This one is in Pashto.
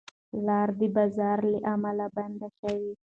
لار د باران له امله بنده شوه.